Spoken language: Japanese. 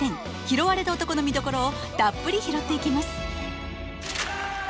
「拾われた男」の見どころをたっぷり拾っていきます。